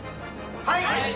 はい！